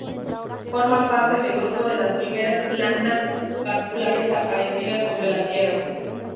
Forman parte de grupo de las primeras plantas vasculares aparecidas sobre la Tierra.